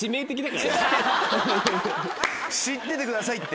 知っててくださいって。